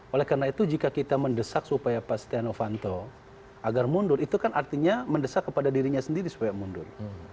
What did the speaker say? oleh karena itu jika kita mendesak supaya pak setia novanto agar mundur itu kan artinya mendesak kepada dirinya sendiri supaya mundur